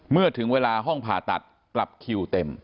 เมื่อถึงเวลาห้องผ่าตัดกลับคิวเต็ม